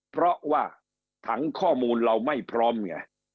เพราะว่าถังข้อมูลเราไม่พร้อมไง